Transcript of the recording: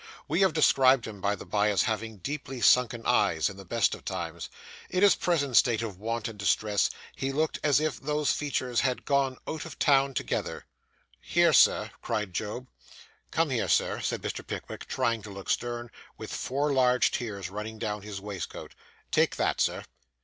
We have described him, by the bye, as having deeply sunken eyes, in the best of times. In his present state of want and distress, he looked as if those features had gone out of town altogether. 'Here, sir,' cried Job. 'Come here, sir,' said Mr. Pickwick, trying to look stern, with four large tears running down his waistcoat. 'Take that, sir.